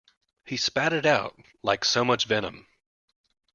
He spat it out like so much venom.